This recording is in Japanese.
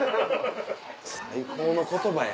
最高の言葉や。